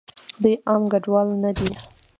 دوئ عام کډوال نه دي.